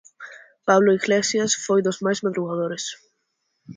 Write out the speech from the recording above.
Pablo Iglesias foi dos máis madrugadores.